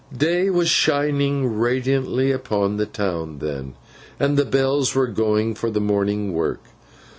Day was shining radiantly upon the town then, and the bells were going for the morning work.